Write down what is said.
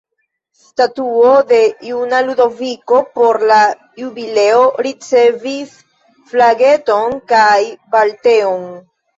Statuo de juna Ludoviko por la jubileo ricevis flageton kaj balteon.